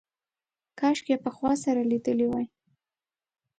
کاشکې یې پخوا سره لیدلي وای.